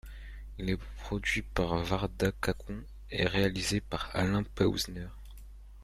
Il est produit par Varda Kakon et réalisé par Alain Pewzner.